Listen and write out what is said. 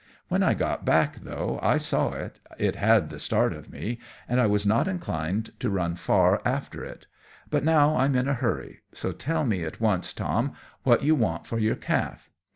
When I got back, though I saw it, it had the start of me, and I was not inclined to run far after it. But, now, I'm in a hurry; so tell me at once, Tom, what you want for your calf."